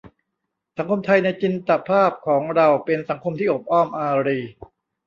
สังคมไทยในจินตภาพของเรา เป็นสังคมที่โอบอ้อมอารี